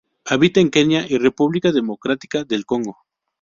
Habita en Kenia y República Democrática del Congo.